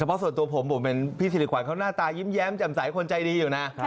เพราะส่วนตัวผมผมเป็นพี่สิริขวัญเขาหน้าตายิ้มแจ่มใสคนใจดีอยู่นะ